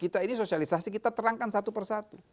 kita ini sosialisasi kita terangkan satu persatu